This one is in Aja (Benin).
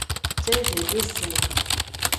Cenjie de sun o.